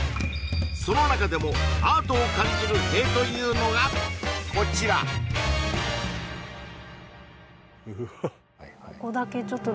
その中でもアートを感じる塀というのがこちらうわっ